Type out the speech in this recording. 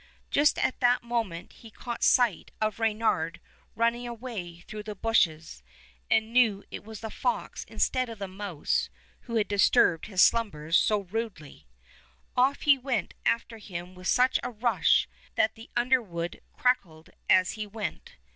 Just at that moment he caught sight of Reynard running away through the bushes, 98 Fairy Tale Bears and knew it was the fox instead of the mouse who had disturbed his slumbers so rudely. Off he went after him with such a rush that the underwood crackled as he went.